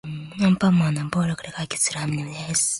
アンパンマンは暴力で解決するアニメです。